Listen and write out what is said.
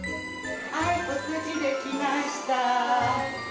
はいおすしできました。